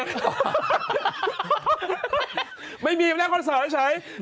มไม่มีมันแหละคอนเสริมเฉย